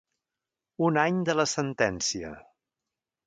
Un any de la sentència.